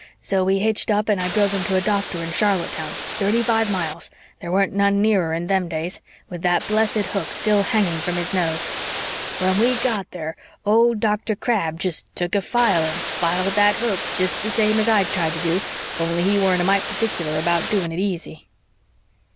So we hitched up and I drove him to a doctor in Charlottetown, thirty five miles there weren't none nearer in them days with that blessed hook still hanging from his nose. When we got there old Dr. Crabb jest took a file and filed that hook jest the same as I'd tried to do, only he weren't a mite particular about doing it easy!"